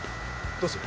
どうする？